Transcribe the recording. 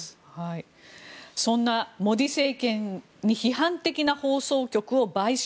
そんなモディ政権に批判的な放送局を買収。